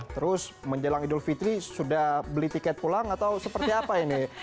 terus menjelang idul fitri sudah beli tiket pulang atau seperti apa ini